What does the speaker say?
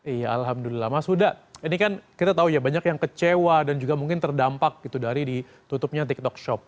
iya alhamdulillah mas huda ini kan kita tahu ya banyak yang kecewa dan juga mungkin terdampak gitu dari ditutupnya tiktok shop